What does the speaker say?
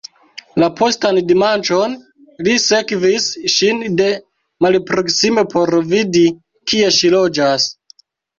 La postan dimanĉon, li sekvis ŝin de malproksime por vidi, kie ŝi loĝas.